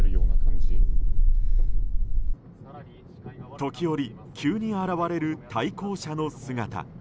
時折、急に現れる対向車の姿。